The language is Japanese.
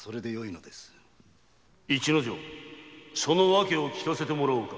・市之丞その訳を聞かせてもらおうか！